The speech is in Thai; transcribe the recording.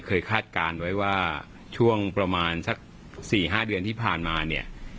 คาดการณ์ไว้ว่าช่วงประมาณสัก๔๕เดือนที่ผ่านมาเนี่ย